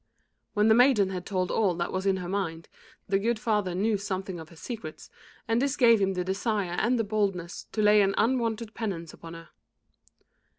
When the maiden had told all that was in her mind, the good father knew something of her secrets, and this gave him the desire and the boldness to lay an unwonted penance upon her.